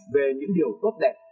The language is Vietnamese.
về những điều tốt đẹp